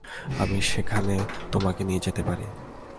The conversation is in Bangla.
আমি সেখানে তোমাকে নিয়ে যেতে পারি।